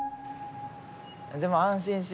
でも安心し。